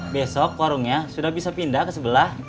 besok warungnya sudah bisa pindah ke sebelah